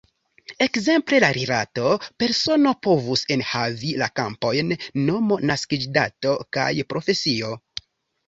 Ekzemple la rilato "persono" povus enhavi la kampojn "nomo", "naskiĝdato" kaj "profesio".